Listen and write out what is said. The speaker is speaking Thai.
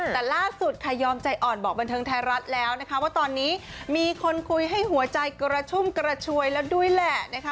แต่ล่าสุดค่ะยอมใจอ่อนบอกบันเทิงไทยรัฐแล้วนะคะว่าตอนนี้มีคนคุยให้หัวใจกระชุ่มกระชวยแล้วด้วยแหละนะคะ